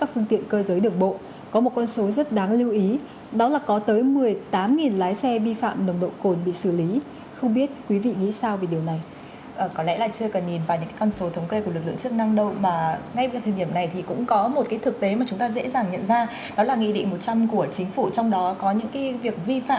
hãy đăng ký kênh để ủng hộ kênh của mình nhé